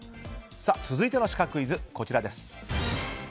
続いてのシカクイズです。